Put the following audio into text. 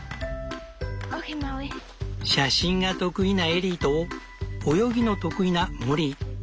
写真が得意なエリーと泳ぎの得意なモリー。